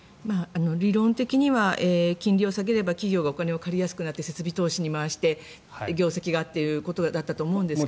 理論的には金利を下げれば企業がお金を借りやすくなって設備投資に回して業績がということだったと思うんですが。